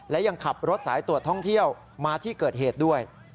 และยังขับรถสายตรวจท่องเที่ยวมาที่เกิดเหตุด้วย